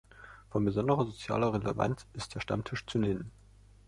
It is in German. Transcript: Von besonderer sozialer Relevanz ist der Stammtisch zu nennen.